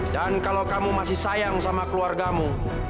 dan kalau kamu masih sayang sama keluargamu